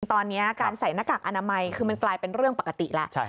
ตอนนี้การใส่หน้ากากอนามัยคือมันกลายเป็นเรื่องปกติแล้ว